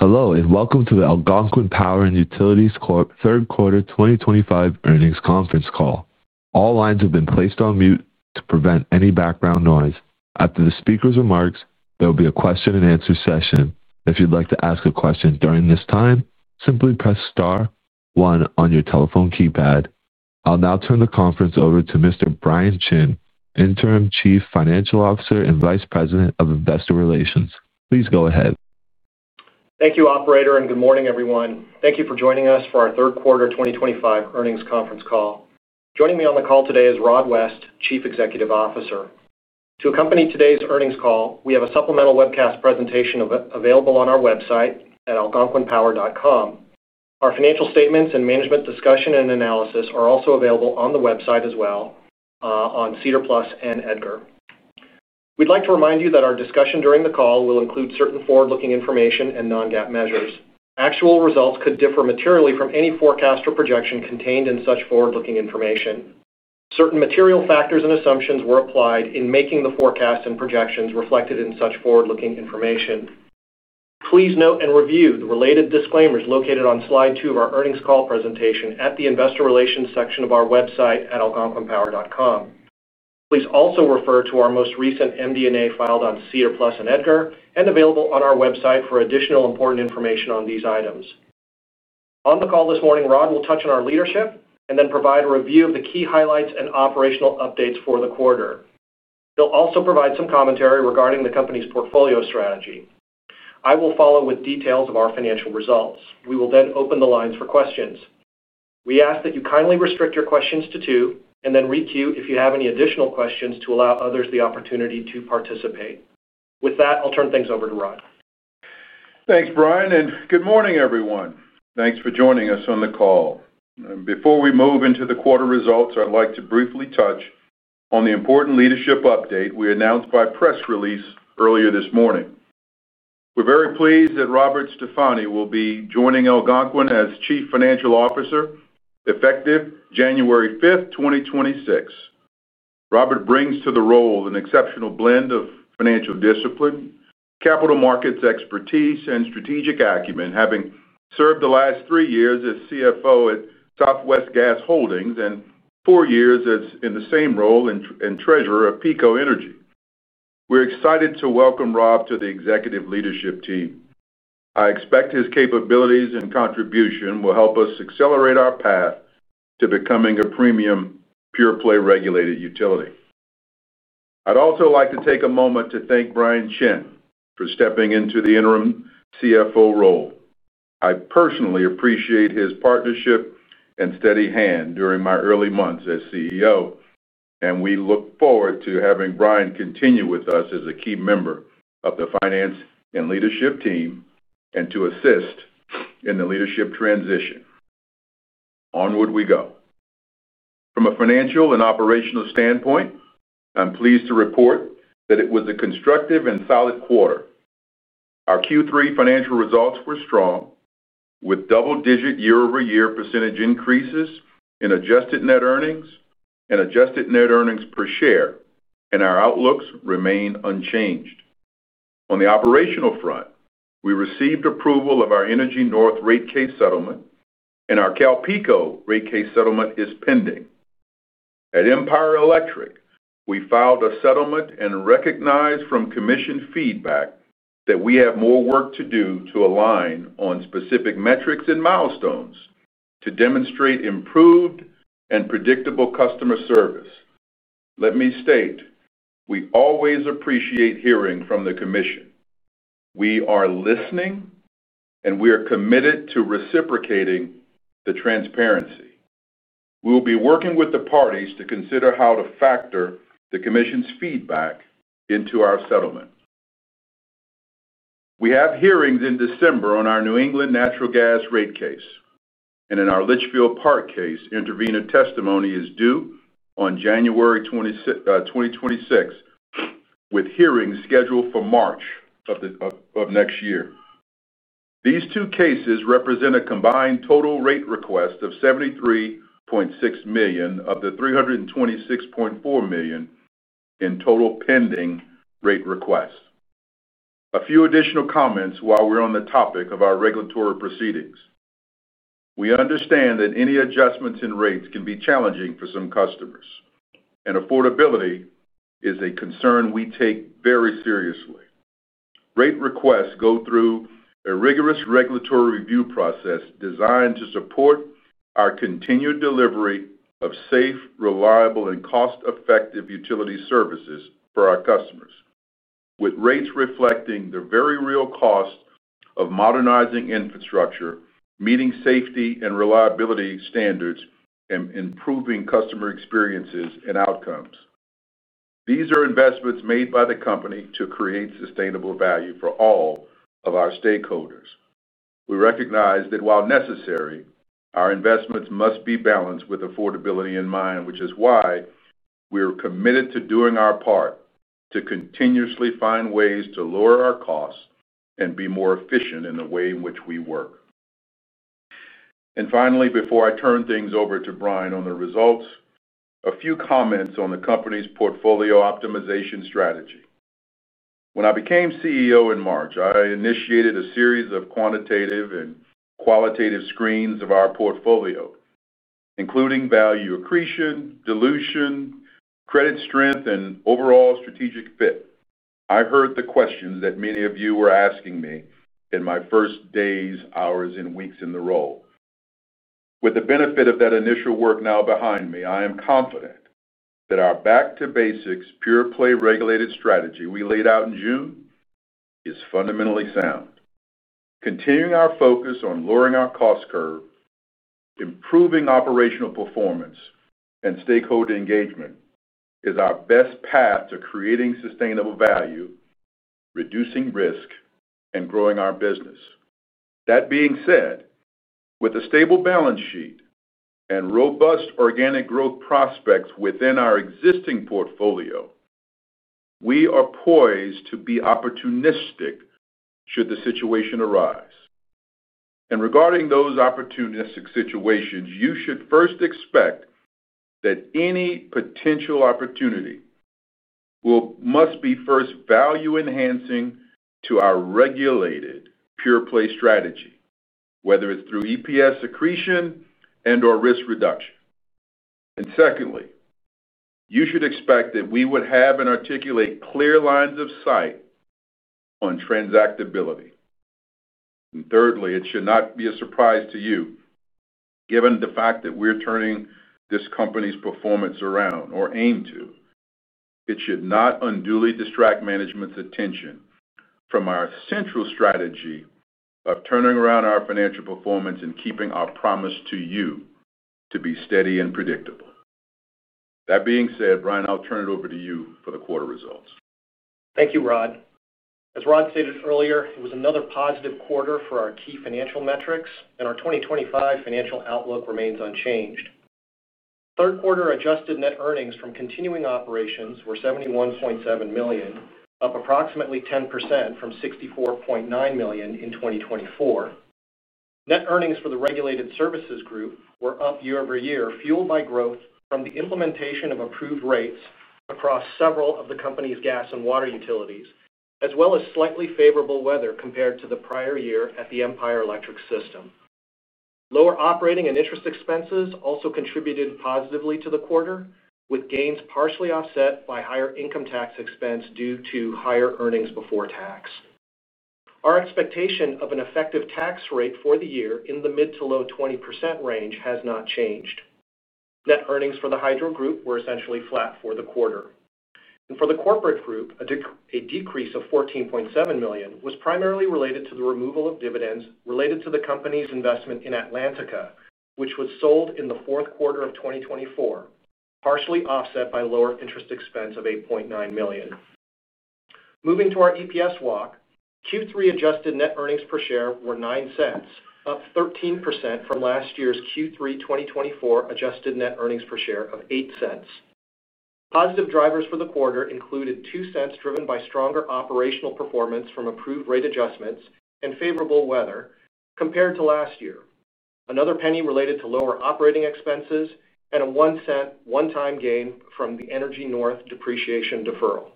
Hello and welcome to the Algonquin Power & Utilities Corp. third quarter 2025 earnings conference call. All lines have been placed on mute to prevent any background noise. After the speaker's remarks, there will be a question-and-answer session. If you'd like to ask a question during this time, simply press star one on your telephone keypad. I'll now turn the conference over to Mr. Brian Chin, Interim Chief Financial Officer and Vice President of Investor Relations. Please go ahead. Thank you, Operator, and good morning, everyone. Thank you for joining us for our third quarter 2025 earnings conference call. Joining me on the call today is Rod West, Chief Executive Officer. To accompany today's earnings call, we have a supplemental webcast presentation available on our website at algonquinpower.com. Our financial statements and management discussion and analysis are also available on the website as well as on SEDAR+ and EDGAR. We'd like to remind you that our discussion during the call will include certain forward-looking information and Non-GAAP measures. Actual results could differ materially from any forecast or projection contained in such forward-looking information. Certain material factors and assumptions were applied in making the forecasts and projections reflected in such forward-looking information. Please note and review the related disclaimers located on slide two of our earnings call presentation at the Investor Relations section of our website at algonquinpower.com. Please also refer to our most recent MD&A filed on SEDAR+ and EDGAR and available on our website for additional important information on these items. On the call this morning, Rod will touch on our leadership and then provide a review of the key highlights and operational updates for the quarter. He'll also provide some commentary regarding the company's portfolio strategy. I will follow with details of our financial results. We will then open the lines for questions. We ask that you kindly restrict your questions to two and then re-queue if you have any additional questions to allow others the opportunity to participate. With that, I'll turn things over to Rod. Thanks, Brian, and good morning, everyone. Thanks for joining us on the call. Before we move into the quarter results, I'd like to briefly touch on the important leadership update we announced by press release earlier this morning. We're very pleased that Robert Stefani will be joining Algonquin as Chief Financial Officer effective January 5, 2026. Robert brings to the role an exceptional blend of financial discipline, capital markets expertise, and strategic acumen, having served the last three years as CFO at Southwest Gas Holdings and four years in the same role in treasury of PBF Energy. We're excited to welcome Rob to the executive leadership team. I expect his capabilities and contribution will help us accelerate our path to becoming a premium pure-play regulated utility. I'd also like to take a moment to thank Brian Chin for stepping into the interim CFO role. I personally appreciate his partnership and steady hand during my early months as CEO, and we look forward to having Brian continue with us as a key member of the finance and leadership team and to assist in the leadership transition. Onward we go. From a financial and operational standpoint, I'm pleased to report that it was a constructive and solid quarter. Our Q3 financial results were strong, with double-digit year-over-year percentage increases in adjusted net earnings and adjusted net earnings per share, and our outlooks remain unchanged. On the operational front, we received approval of our Energy North rate case settlement, and our Cal Pico rate case settlement is pending. At Empire Electric, we filed a settlement and recognized from commission feedback that we have more work to do to align on specific metrics and milestones to demonstrate improved and predictable customer service. Let me state we always appreciate hearing from the commission. We are listening, and we are committed to reciprocating the transparency. We will be working with the parties to consider how to factor the commission's feedback into our settlement. We have hearings in December on our New England natural gas rate case, and in our Litchfield Park case, intervenor testimony is due on January 2026, with hearings scheduled for March of next year. These two cases represent a combined total rate request of $73.6 million of the $326.4 million in total pending rate requests. A few additional comments while we're on the topic of our regulatory proceedings. We understand that any adjustments in rates can be challenging for some customers, and affordability is a concern we take very seriously. Rate requests go through a rigorous regulatory review process designed to support our continued delivery of safe, reliable, and cost-effective utility services for our customers, with rates reflecting the very real cost of modernizing infrastructure, meeting safety and reliability standards, and improving customer experiences and outcomes. These are investments made by the company to create sustainable value for all of our stakeholders. We recognize that while necessary, our investments must be balanced with affordability in mind, which is why we are committed to doing our part to continuously find ways to lower our costs and be more efficient in the way in which we work. Finally, before I turn things over to Brian on the results, a few comments on the company's portfolio optimization strategy. When I became CEO in March, I initiated a series of quantitative and qualitative screens of our portfolio, including value accretion, dilution, credit strength, and overall strategic fit. I heard the questions that many of you were asking me in my first days, hours, and weeks in the role. With the benefit of that initial work now behind me, I am confident that our back-to-basics pure-play regulated strategy we laid out in June is fundamentally sound. Continuing our focus on lowering our cost curve, improving operational performance, and stakeholder engagement is our best path to creating sustainable value, reducing risk, and growing our business. That being said, with a stable balance sheet and robust organic growth prospects within our existing portfolio, we are poised to be opportunistic should the situation arise. Regarding those opportunistic situations, you should first expect that any potential opportunity must be first value-enhancing to our regulated pure-play strategy, whether it is through EPS accretion and/or risk reduction. Secondly, you should expect that we would have and articulate clear lines of sight on transactability. Thirdly, it should not be a surprise to you, given the fact that we are turning this company's performance around or aim to. It should not unduly distract management's attention from our central strategy of turning around our financial performance and keeping our promise to you to be steady and predictable. That being said, Brian, I will turn it over to you for the quarter results. Thank you, Rod. As Rod stated earlier, it was another positive quarter for our key financial metrics, and our 2025 financial outlook remains unchanged. Third quarter adjusted net earnings from continuing operations were $71.7 million, up approximately 10% from $64.9 million in 2024. Net earnings for the regulated services group were up year-over-year, fueled by growth from the implementation of approved rates across several of the company's gas and water utilities, as well as slightly favorable weather compared to the prior year at the Empire Electric system. Lower operating and interest expenses also contributed positively to the quarter, with gains partially offset by higher income tax expense due to higher earnings before tax. Our expectation of an effective tax rate for the year in the mid to low 20% range has not changed. Net earnings for the Hydro Group were essentially flat for the quarter. For the corporate group, a decrease of $14.7 million was primarily related to the removal of dividends related to the company's investment in Atlantica, which was sold in the fourth quarter of 2024, partially offset by lower interest expense of $8.9 million. Moving to our EPS walk, Q3 adjusted net earnings per share were $0.09, up 13% from last year's Q3 2024 adjusted net earnings per share of $0.08. Positive drivers for the quarter included $0.02 driven by stronger operational performance from approved rate adjustments and favorable weather compared to last year, another penny related to lower operating expenses, and a $0.01 one-time gain from the Energy North depreciation deferral.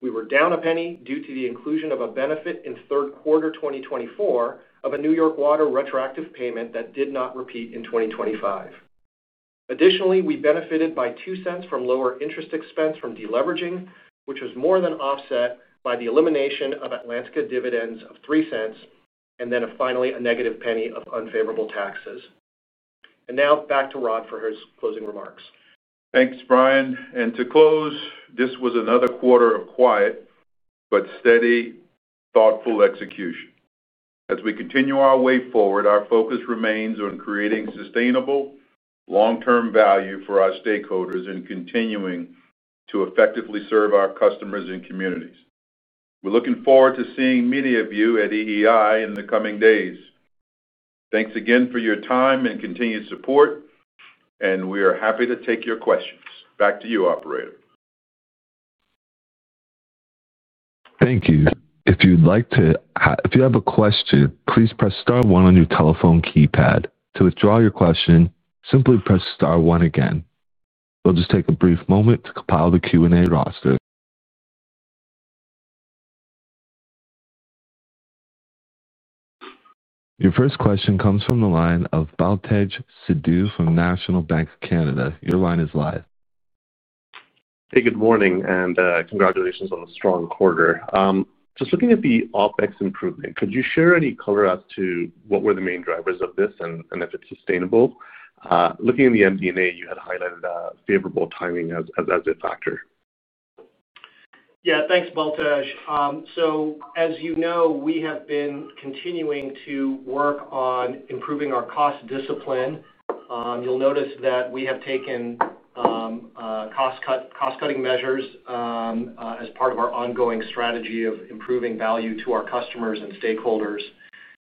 We were down a penny due to the inclusion of a benefit in third quarter 2024 of a New York water retroactive payment that did not repeat in 2025. Additionally, we benefited by $0.02 from lower interest expense from deleveraging, which was more than offset by the elimination of Atlantica dividends of $0.03 and finally a negative penny of unfavorable taxes. Now back to Rod for his closing remarks. Thanks, Brian. To close, this was another quarter of quiet but steady, thoughtful execution. As we continue our way forward, our focus remains on creating sustainable long-term value for our stakeholders and continuing to effectively serve our customers and communities. We're looking forward to seeing many of you at EEI in the coming days. Thanks again for your time and continued support, and we are happy to take your questions. Back to you, Operator. Thank you. If you'd like to, if you have a question, please press star one on your telephone keypad. To withdraw your question, simply press star one again. We'll just take a brief moment to compile the Q&A roster. Your first question comes from the line of Baltej Sidhu from National Bank of Canada. Your line is live. Hey, good morning, and congratulations on the strong quarter. Just looking at the OpEx improvement, could you share any color as to what were the main drivers of this and if it's sustainable? Looking at the MD&A, you had highlighted favorable timing as a factor. Yeah, thanks, Baltej. As you know, we have been continuing to work on improving our cost discipline. You'll notice that we have taken cost-cutting measures as part of our ongoing strategy of improving value to our customers and stakeholders.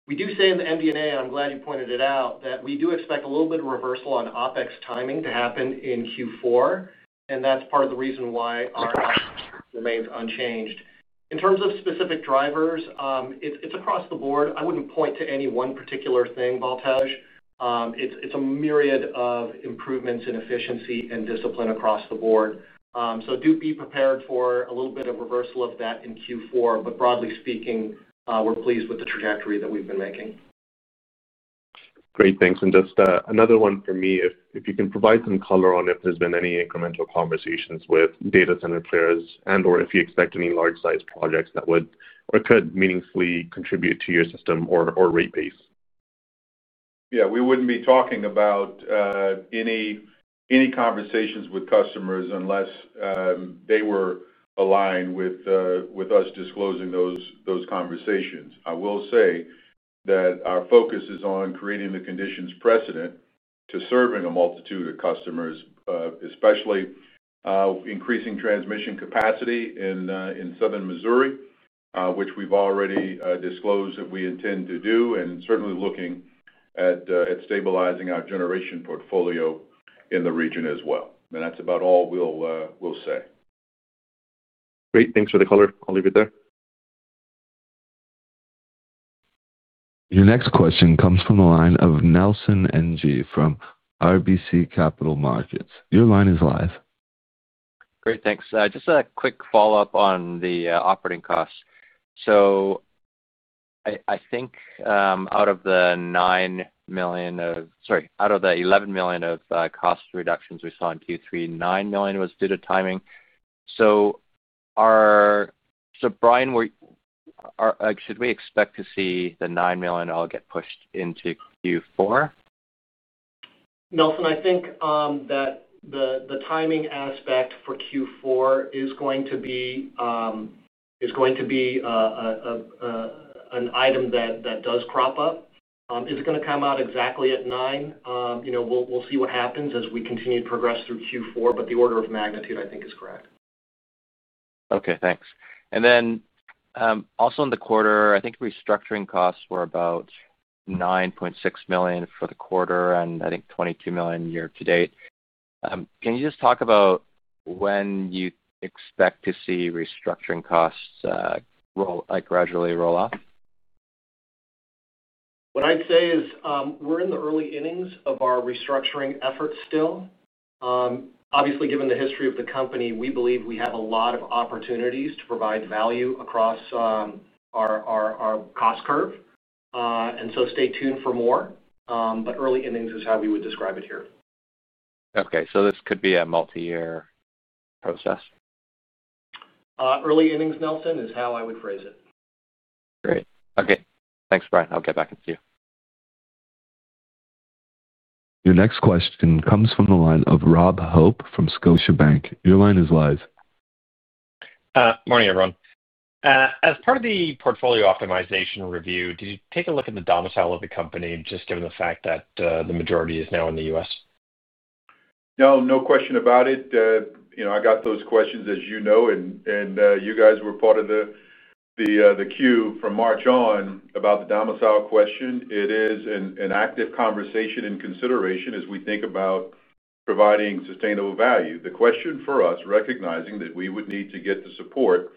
We do say in the MD&A, and I'm glad you pointed it out, that we do expect a little bit of reversal on OpEx timing to happen in Q4, and that's part of the reason why our optimistic remains unchanged. In terms of specific drivers, it's across the board. I wouldn't point to any one particular thing, Baltej. It's a myriad of improvements in efficiency and discipline across the board. Do be prepared for a little bit of reversal of that in Q4, but broadly speaking, we're pleased with the trajectory that we've been making. Great. Thanks. Just another one for me, if you can provide some color on if there's been any incremental conversations with data center players and/or if you expect any large-sized projects that would or could meaningfully contribute to your system or rate base. Yeah, we would not be talking about any conversations with customers unless they were aligned with us disclosing those conversations. I will say that our focus is on creating the conditions precedent to serving a multitude of customers, especially increasing transmission capacity in Southern Missouri, which we have already disclosed that we intend to do, and certainly looking at stabilizing our generation portfolio in the region as well. That is about all we will say. Great. Thanks for the color. I'll leave it there. Your next question comes from the line of Nelson Ng from RBC Capital Markets. Your line is live. Great. Thanks. Just a quick follow-up on the operating costs. I think out of the $11 million of cost reductions we saw in Q3, $9 million was due to timing. Brian, should we expect to see the $9 million all get pushed into Q4? Nelson, I think that the timing aspect for Q4 is going to be an item that does crop up. Is it going to come out exactly at $9 million? We'll see what happens as we continue to progress through Q4, but the order of magnitude, I think, is correct. Okay. Thanks. Also in the quarter, I think restructuring costs were about $9.6 million for the quarter and I think $22 million year-to-date. Can you just talk about when you expect to see restructuring costs gradually roll off? What I'd say is we're in the early innings of our restructuring efforts still. Obviously, given the history of the company, we believe we have a lot of opportunities to provide value across our cost curve. Stay tuned for more, but early innings is how we would describe it here. Okay. So this could be a multi-year process? Early innings, Nelson, is how I would phrase it. Great. Okay. Thanks, Brian. I'll get back to you. Your next question comes from the line of Rob Hope from Scotiabank. Your line is live. Morning, everyone. As part of the portfolio optimization review, did you take a look at the domicile of the company just given the fact that the majority is now in the U.S.? No, no question about it. I got those questions, as you know, and you guys were part of the queue from March on about the domicile question. It is an active conversation and consideration as we think about providing sustainable value. The question for us, recognizing that we would need to get the support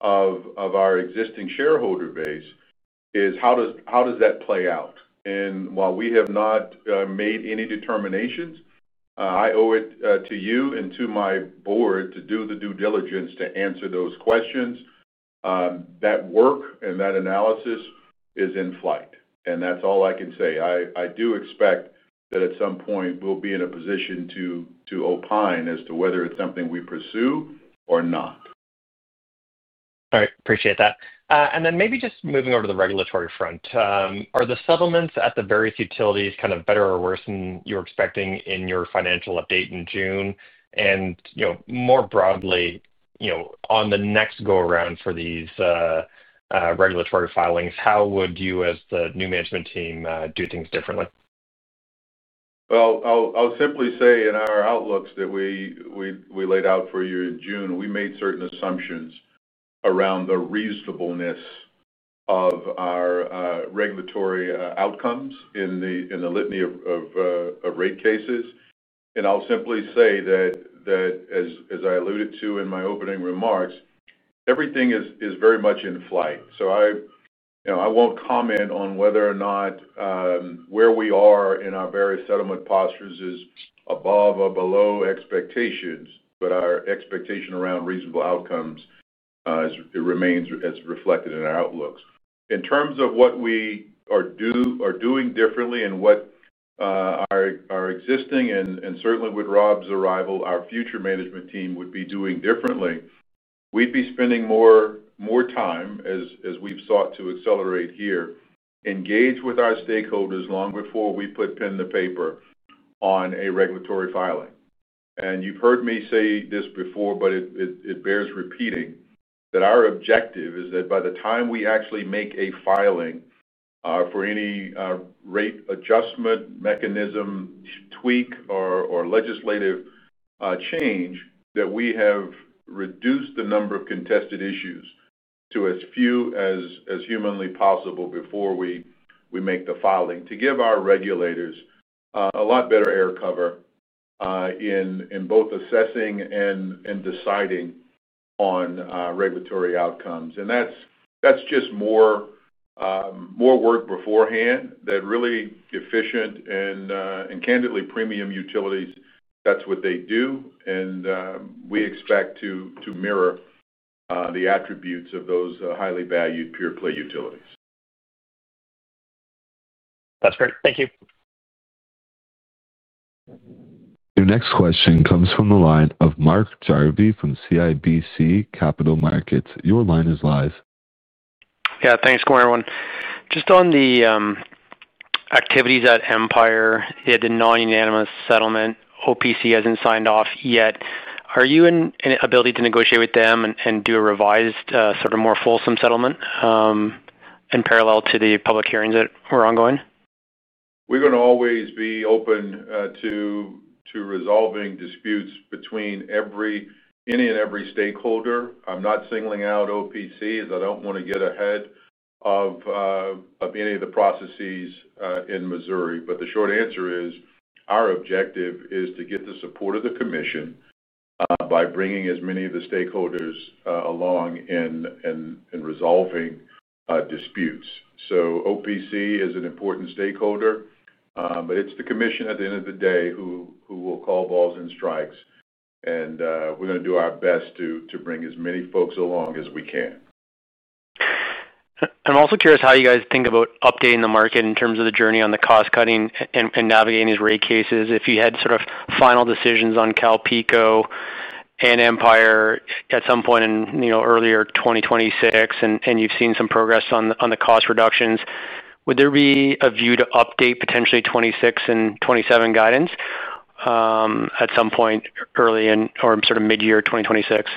of our existing shareholder base, is how does that play out? While we have not made any determinations, I owe it to you and to my board to do the due diligence to answer those questions. That work and that analysis is in flight, and that's all I can say. I do expect that at some point we'll be in a position to opine as to whether it's something we pursue or not. All right. Appreciate that. Maybe just moving over to the regulatory front, are the settlements at the various utilities kind of better or worse than you were expecting in your financial update in June? More broadly, on the next go-around for these regulatory filings, how would you, as the new management team, do things differently? In our outlooks that we laid out for you in June, we made certain assumptions around the reasonableness of our regulatory outcomes in the litany of rate cases. I will simply say that, as I alluded to in my opening remarks, everything is very much in flight. I will not comment on whether or not where we are in our various settlement postures is above or below expectations, but our expectation around reasonable outcomes remains as reflected in our outlooks. In terms of what we are doing differently and what our existing, and certainly with Rob's arrival, our future management team would be doing differently, we would be spending more time, as we have sought to accelerate here, engaged with our stakeholders long before we put pen to paper on a regulatory filing. You have heard me say this before, but it bears repeating, that our objective is that by the time we actually make a filing for any rate adjustment mechanism tweak or legislative change, we have reduced the number of contested issues to as few as humanly possible before we make the filing to give our regulators a lot better air cover in both assessing and deciding on regulatory outcomes. That is just more work beforehand that really efficient and, candidly, premium utilities, that is what they do, and we expect to mirror the attributes of those highly valued pure play utilities. That's great. Thank you. Your next question comes from the line of Mark Jarvi from CIBC Capital Markets. Your line is live. Yeah. Thanks, everyone. Just on the activities at Empire, you had a non-unanimous settlement. OPC hasn't signed off yet. Are you in ability to negotiate with them and do a revised sort of more fulsome settlement in parallel to the public hearings that were ongoing? We're going to always be open to resolving disputes between any and every stakeholder. I'm not singling out OPC as I don't want to get ahead of any of the processes in Missouri. The short answer is our objective is to get the support of the commission by bringing as many of the stakeholders along in resolving disputes. OPC is an important stakeholder, but it's the commission at the end of the day who will call balls and strikes, and we're going to do our best to bring as many folks along as we can. I'm also curious how you guys think about updating the market in terms of the journey on the cost-cutting and navigating these rate cases. If you had sort of final decisions on Calpico and Empire at some point in earlier 2026 and you've seen some progress on the cost reductions, would there be a view to update potentially 2026 and 2027 guidance at some point early in or sort of mid-year 2026?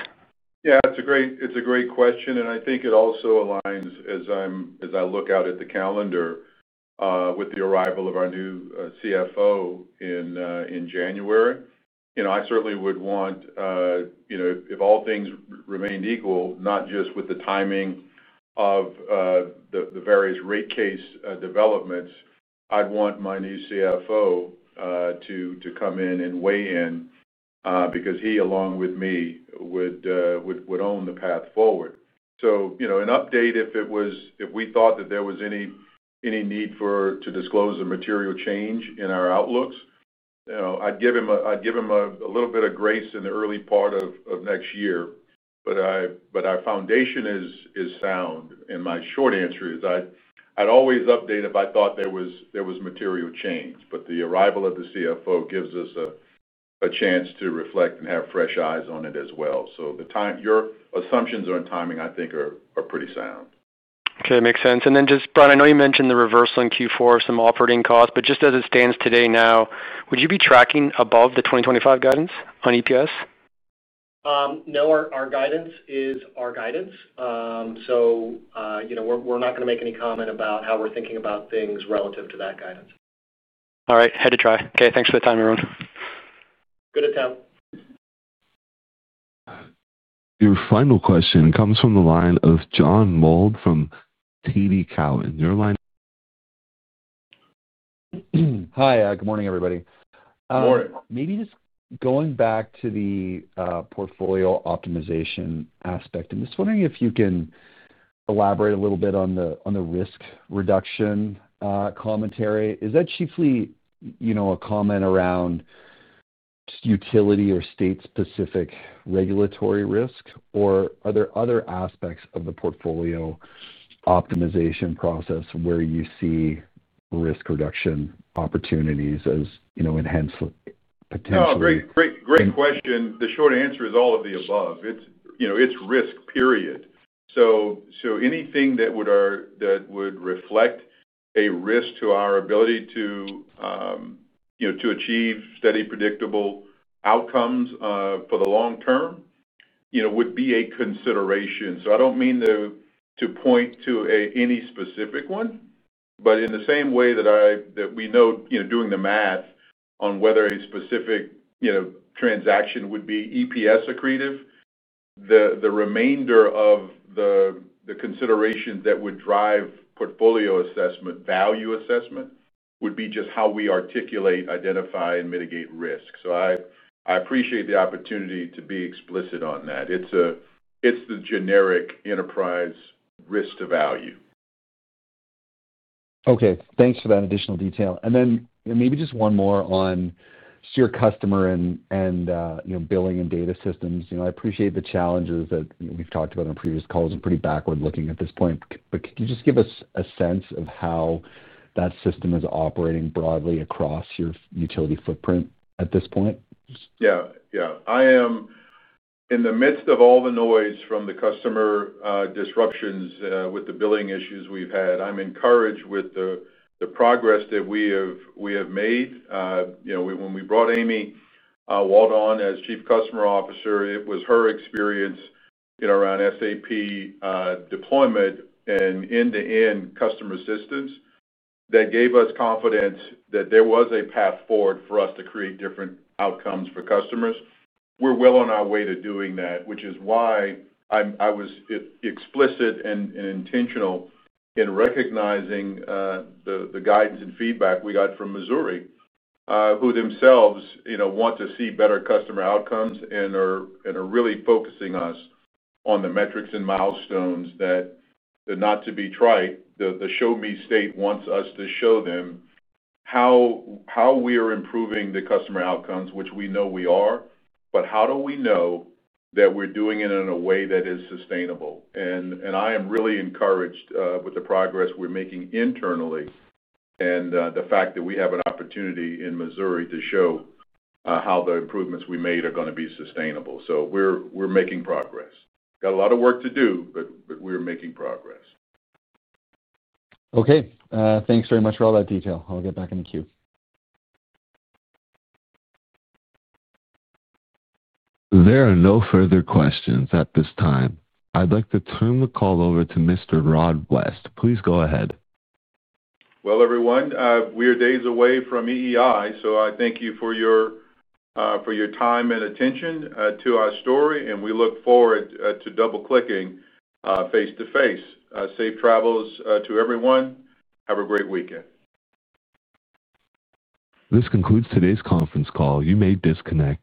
Yeah, it's a great question, and I think it also aligns as I look out at the calendar with the arrival of our new CFO in January. I certainly would want, if all things remained equal, not just with the timing of the various rate case developments, I'd want my new CFO to come in and weigh in because he, along with me, would own the path forward. An update, if we thought that there was any need to disclose a material change in our outlooks, I'd give him a little bit of grace in the early part of next year, but our foundation is sound. My short answer is I'd always update if I thought there was material change, but the arrival of the CFO gives us a chance to reflect and have fresh eyes on it as well. Your assumptions on timing, I think, are pretty sound. Okay. Makes sense. Just, Brian, I know you mentioned the reversal in Q4 of some operating costs, but just as it stands today now, would you be tracking above the 2025 guidance on EPS? No, our guidance is our guidance. So we're not going to make any comment about how we're thinking about things relative to that guidance. All right. Had to try. Okay. Thanks for the time, everyone. Good attempt. Your final question comes from the line of John Mould from TD Cowen. Your line? Hi. Good morning, everybody. Good morning. Maybe just going back to the portfolio optimization aspect, I'm just wondering if you can elaborate a little bit on the risk reduction commentary. Is that chiefly a comment around utility or state-specific regulatory risk, or are there other aspects of the portfolio optimization process where you see risk reduction opportunities as enhanced potentially? No, great question. The short answer is all of the above. It's risk, period. So anything that would reflect a risk to our ability to achieve steady, predictable outcomes for the long term would be a consideration. I don't mean to point to any specific one, but in the same way that we know doing the math on whether a specific transaction would be EPS accretive, the remainder of the considerations that would drive portfolio assessment, value assessment, would be just how we articulate, identify, and mitigate risk. I appreciate the opportunity to be explicit on that. It's the generic enterprise risk to value. Okay. Thanks for that additional detail. Maybe just one more on your customer and billing and data systems. I appreciate the challenges that we've talked about on previous calls. I'm pretty backward-looking at this point, but could you just give us a sense of how that system is operating broadly across your utility footprint at this point? Yeah. Yeah. In the midst of all the noise from the customer disruptions with the billing issues we've had, I'm encouraged with the progress that we have made. When we brought Amy Waldon as Chief Customer Officer, it was her experience around SAP deployment and end-to-end customer assistance that gave us confidence that there was a path forward for us to create different outcomes for customers. We're well on our way to doing that, which is why I was explicit and intentional in recognizing the guidance and feedback we got from Missouri, who themselves want to see better customer outcomes and are really focusing us on the metrics and milestones that, not to be trite, the show-me state wants us to show them how we are improving the customer outcomes, which we know we are, but how do we know that we're doing it in a way that is sustainable? I am really encouraged with the progress we're making internally and the fact that we have an opportunity in Missouri to show how the improvements we made are going to be sustainable. We're making progress. Got a lot of work to do, but we're making progress. Okay. Thanks very much for all that detail. I'll get back in the queue. There are no further questions at this time. I'd like to turn the call over to Mr. Rod West. Please go ahead. Everyone, we are days away from EEI, so I thank you for your time and attention to our story, and we look forward to double-clicking face to face. Safe travels to everyone. Have a great weekend. This concludes today's conference call. You may disconnect.